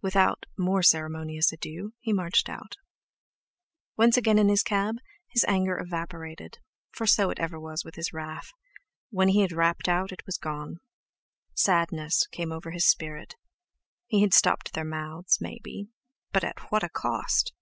Without more ceremonious adieux, he marched out. Once again in his cab, his anger evaporated, for so it ever was with his wrath—when he had rapped out, it was gone. Sadness came over his spirit. He had stopped their mouths, maybe, but at what a cost!